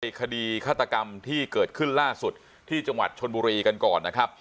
คดีฆาตกรรมที่เกิดขึ้นล่าสุดที่จังหวัดชนบุรีกันก่อนนะครับ